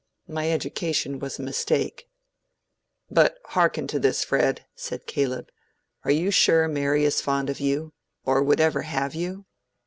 My education was a mistake." "But hearken to this, Fred," said Caleb. "Are you sure Mary is fond of you, or would ever have you?"